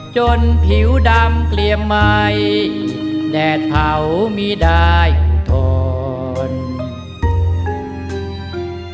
จนผิวดำเกลี่ยมใหม่แดดเผาไม่ได้อุทธรรม